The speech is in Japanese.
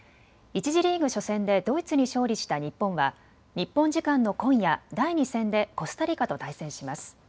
１次リーグ初戦でドイツに勝利した日本は日本時間の今夜、第２戦でコスタリカと対戦します。